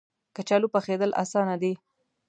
کچالو پخېدل اسانه دي